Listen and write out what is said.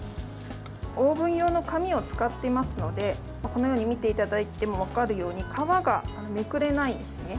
オーブン用の紙を使っていますのでこのように見ていただいても分かるように皮がめくれないですね。